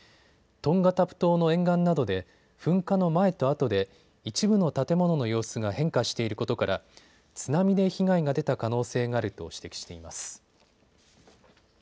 トンガタプ島の沿岸などで噴火の前とあとで一部の建物の様子が変化していることから津波で被害が出た可能性があると指摘しています。